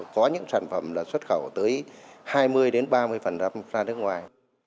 có những sản phẩm là xuất khẩu tới hai mươi ba mươi ra nước ngoài